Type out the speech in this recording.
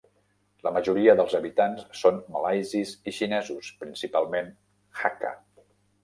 La majoria dels habitants són malaisis i xinesos, principalment hakka.